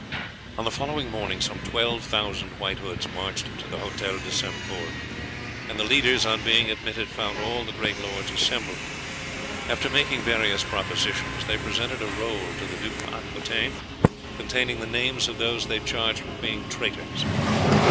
On the following morning some twelve thousand White Hoods marched to the Hôtel de St. Pol, and the leaders, on being admitted, found all the great lords assembled. After making various propositions they presented a roll to the Duke of Aquitaine containing the names of those they charged with being traitors.